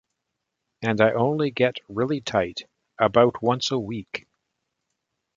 And I only get really tight about once a week.